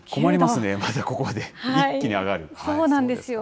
またここまで、一気に上がるんですね。